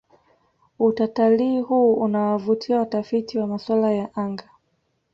utatalii huu unawavutia watafiti wa maswala ya anga